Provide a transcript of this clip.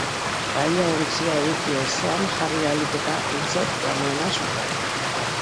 Paella-ontzia eduki ezean, jarri ahalik eta eltze planoena sutan.